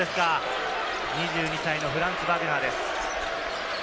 ２２歳のフランツ・バグナーです。